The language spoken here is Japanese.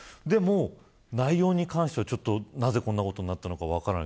でも、内容に関してはなぜこんなことになったのか分からない。